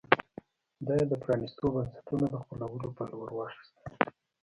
دا یې د پرانېستو بنسټونو د خپلولو په لور واخیستل.